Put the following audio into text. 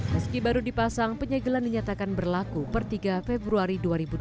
meski baru dipasang penyegelan dinyatakan berlaku per tiga februari dua ribu dua puluh